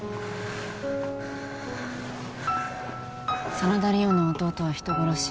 真田梨央の弟は人殺し